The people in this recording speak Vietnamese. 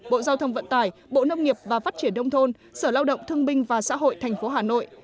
bộ giao thông vận tải bộ nông nghiệp và phát triển đông thôn sở lao động thương binh và xã hội thành phố hà nội